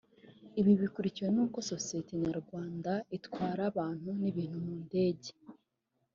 Ibi bikurikiwe n’uko Sosiyete Nyarwanda itwara abantu n’ibintu mu ndege